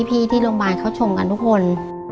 ที่โรงพยาบาลเขาชมกันทุกคน